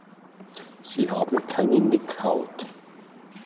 Sie haben keine Nickhaut.